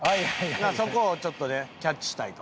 そこをちょっとねキャッチしたいと。